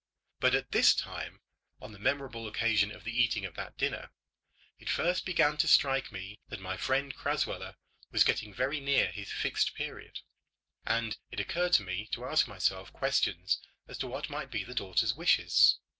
But at this time, on the memorable occasion of the eating of that dinner, it first began to strike me that my friend Crasweller was getting very near his Fixed Period, and it occurred to me to ask myself questions as to what might be the daughter's wishes.